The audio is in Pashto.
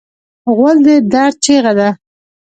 غول د درد چیغه ده.